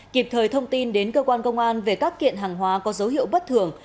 kịp thời thông tin đến cơ quan công an về các kiện hàng hóa có dấu hiệu bất thường